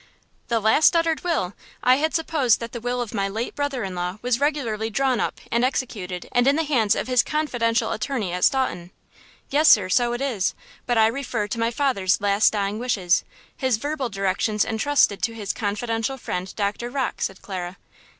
"The last uttered will! I had supposed that the will of my late brother in law was regularly drawn up and executed and in the hands of his confidential attorney at Staunton." "Yes, sir; so it is; but I refer to my father's last dying wishes, his verbal directions entrusted to his confidential friend Doctor Rocke," said Clara.